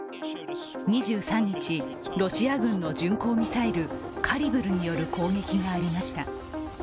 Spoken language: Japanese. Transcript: ２３日、ロシア軍の巡航ミサイルカリブルによる攻撃がありました。